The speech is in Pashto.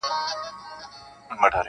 او کارونه د بل چا کوي,